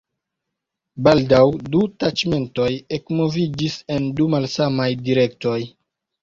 Baldaŭ du taĉmentoj ekmoviĝis en du malsamaj direktoj.